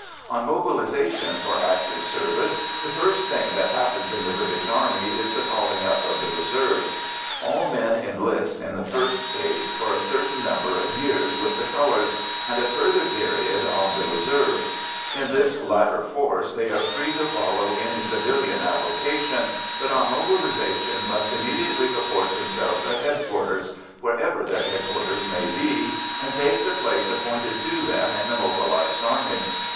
On mobilisation for active service, the first thing that happens in the British Army is the calling up of the reserves. All men enlist, in the first case, for a certain number of years with the colours and a further period "on the reserve." In this latter force, they are free to follow any civilian avocation, but on mobilisation must immediately report themselves at headquarters wherever their headquarters may be and take the place appointed to them in the mobilised army.